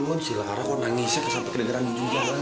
lu si lara kok nangisnya kayak sampai kedegaran di jum'at lagi